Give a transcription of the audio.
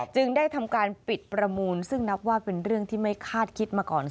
จึงได้ทำการปิดประมูลซึ่งนับว่าเป็นเรื่องที่ไม่คาดคิดมาก่อน